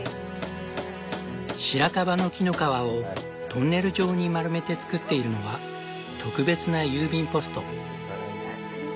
シラカバの木の皮をトンネル状に丸めて作っているのは特別な郵便ポスト。